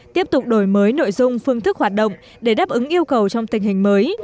tiếp tục đổi mới nội dung phương thức hoạt động để đáp ứng yêu cầu trong tình hình mới